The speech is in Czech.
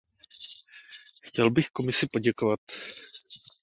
Chtěl bych Komisi poděkovat.